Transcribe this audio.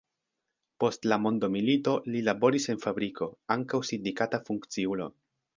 Post la mondomilito li laboris en fabriko, ankaŭ sindikata funkciulo.